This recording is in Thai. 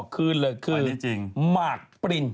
คือมาร์คปริ้น